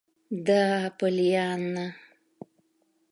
— Да, Поллианна...